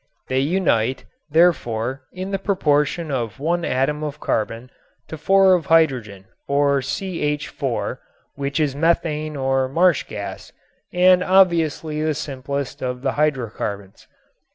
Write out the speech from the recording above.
They unite, therefore, in the proportion of one atom of carbon to four of hydrogen, or CH_, which is methane or marsh gas and obviously the simplest of the hydrocarbons.